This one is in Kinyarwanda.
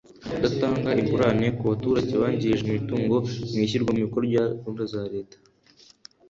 Kudatanga ingurane ku baturage bangirijwe imitungo mu ishyirwa mu bikorwa rya gahunda za Leta